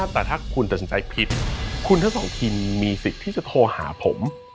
แต่ถ้าคุณตัดสินใจผิดคุณทั้งสองทีมมีสิทธิ์ที่จะโทรหาผม